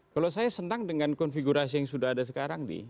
kalau saya senang dengan konfigurasi yang sudah ada sekarang